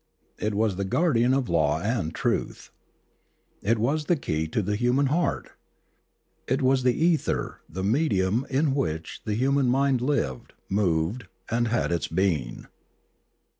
It was the guardian of law and truth; it was the key to the human heart; it was the ether, the medium, in which the human mind lived, moved, and had its being.